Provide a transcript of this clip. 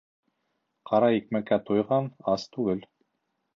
Ҡара икмәккә туйған ас түгел.